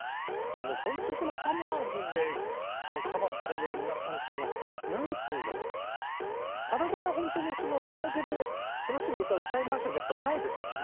でもほんとこの「ＴｈｅＣｏｖｅｒｓ」でこうカバーされる皆さんってのは何て言うんだろうただただほんとにそのカラオケでその人の歌歌いましたじゃやっぱないですもんね。